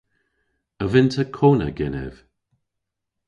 A vynn'ta kona genev?